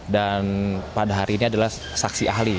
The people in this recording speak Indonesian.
dan pada hari ini adalah saksi ahli